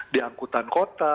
di angkutan kota